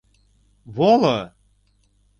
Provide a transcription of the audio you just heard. — Воло!